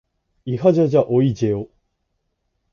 いはじゃじゃおいじぇお。